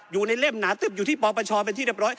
เล่มหนาตึ๊บอยู่ที่ปปชเป็นที่เรียบร้อย